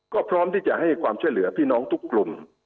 ก็พร้อมที่จะให้ความช่วยเหลือพี่น้องทุกกลุ่ม